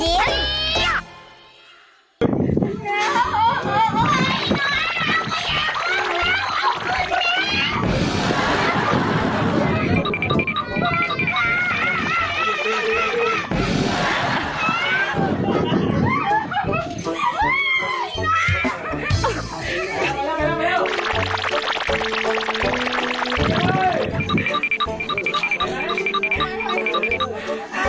วอ้าวเร็ว